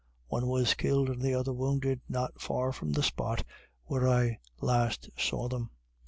One was killed and the other wounded not far from the spot where I last saw them.